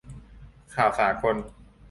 'ข่าวสากล'